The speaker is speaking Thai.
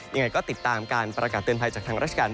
ยังไงก็ติดตามการประกาศเตือนภัยจากทางราชการ